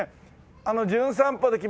あの『じゅん散歩』で来ました